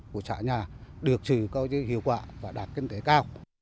của trả nhà được trừ cao chứ hiệu quả và đạt kinh tế cao